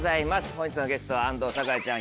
本日のゲストは安藤サクラちゃん